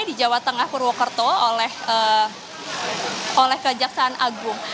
di jawa tengah purwokerto oleh kejaksaan agung